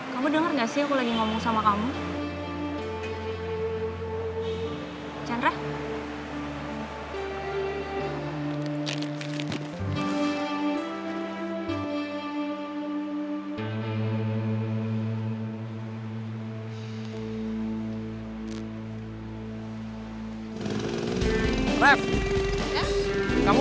kamu denger gak sih aku lagi ngomong sama kamu